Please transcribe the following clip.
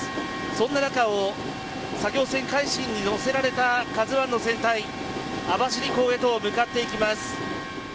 そんな中を作業船「海進」に載せられた「ＫＡＺＵ１」の船体網走港へと向かっていきます。